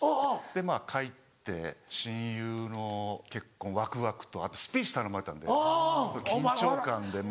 でまぁ帰って親友の結婚ワクワクとあとスピーチ頼まれたんで緊張感でもう。